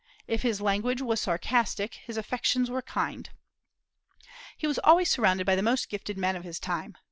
If his language was sarcastic, his affections were kind. He was always surrounded by the most gifted men of his time.